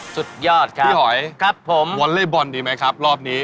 สุดยอดครับพี่หอยครับผมวอลเล่บอลดีไหมครับรอบนี้